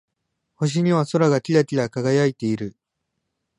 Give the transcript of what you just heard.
空には星がキラキラ輝いている。